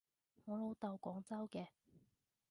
我老豆廣州嘅